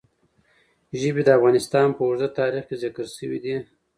ژبې د افغانستان په اوږده تاریخ کې ذکر شوي دي.